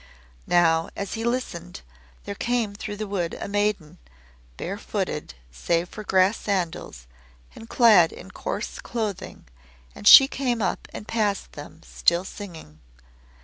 Now, as he listened, there came through the wood a maiden, bare footed, save for grass sandals, and clad in coarse clothing, and she came up and passed them, still singing.